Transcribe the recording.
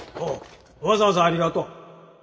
わざわざありがとう。